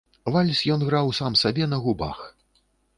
Вальс ён граў сам сабе на губах.